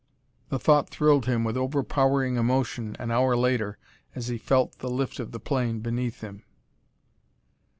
The thought thrilled him with overpowering emotion an hour later as he felt the lift of the plane beneath him.